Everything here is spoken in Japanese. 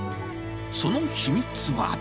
その秘密は。